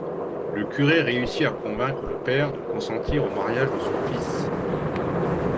Le curé réussit à convaincre le père de consentir au mariage de son fils.